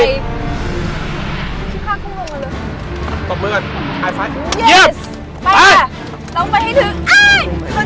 ข้างลงกันเลยตบมือกันไอฟ้ายไปค่ะลงไปให้ถึงอ้าย